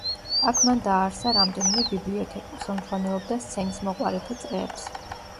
აქ მან დააარსა რამდენიმე ბიბლიოთეკა, ხელმძღვანელობდა სცენისმოყვარეთა წრეებს.